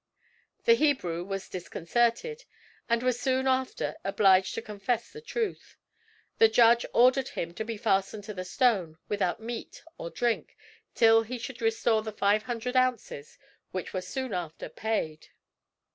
The Hebrew was disconcerted, and was soon after obliged to confess the truth. The judge ordered him to be fastened to the stone, without meat or drink, till he should restore the five hundred ounces, which were soon after paid.